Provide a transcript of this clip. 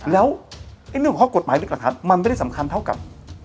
แล้วข้อกฎหมายนี่หลักฐานมันไม่ได้สำคัญเท่ากับ